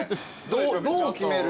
どう決める？